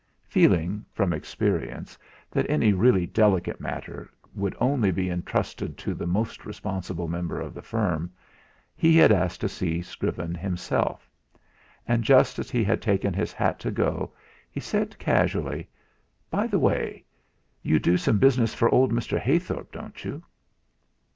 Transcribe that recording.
Feeling, from experience, that any really delicate matter would only be entrusted to the most responsible member of the firm, he had asked to see Scriven himself, and just as he had taken his hat to go, he said casually: "By the way, you do some business for old Mr. Heythorp, don't you?"